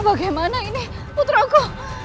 bagaimana ini puter aku